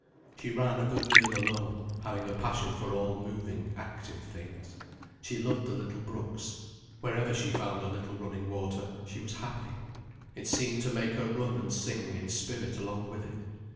She ran a good deal alone, having a passion for all moving, active things. She loved the little brooks. Wherever she found a little running water, she was happy. It seemed to make her run and sing in spirit along with it.